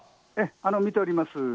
見ております。